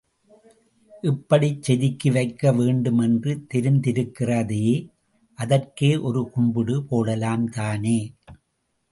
இப்படிச் செதுக்கி வைக்க வேண்டும் என்று தெரிந்திருக்கிறதே, அதற்கே ஒரு கும்பிடு போடலாம் தானே?